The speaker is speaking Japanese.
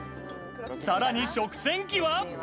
さらに食洗機は。